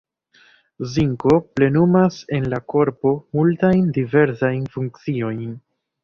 Zinko plenumas en la korpo multajn diversaj funkciojn.